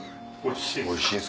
おいしい！